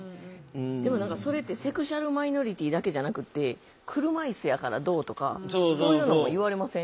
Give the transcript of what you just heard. でも何かそれってセクシュアルマイノリティーだけじゃなくて車椅子やからどうとかそういうのも言われません？